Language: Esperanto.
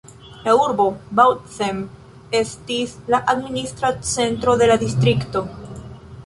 La urbo Bautzen estis la administra centro de la distrikto.